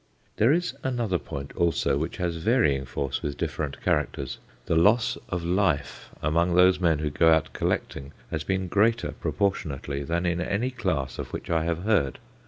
There is another point also, which has varying force with different characters. The loss of life among those men who "go out collecting" has been greater proportionately, than in any class of which I have heard.